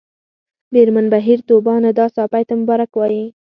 مېرمن بهیر طوبا ندا ساپۍ ته مبارکي وايي